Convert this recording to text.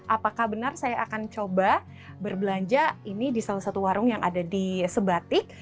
apakah benar saya akan coba berbelanja ini di salah satu warung yang ada di sebatik